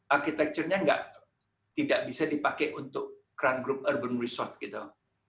architecture nya tidak bisa dipakai untuk cran group urban resort gitu